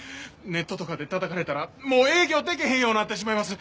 ネットとかで叩かれたらもう営業できへんようになってしまいます。